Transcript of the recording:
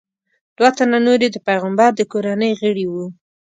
دوه تنه نور یې د پیغمبر د کورنۍ غړي وو.